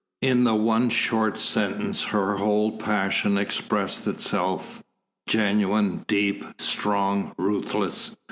In the one short sentence her whole passion expressed itself, genuine, deep, strong, ruthless.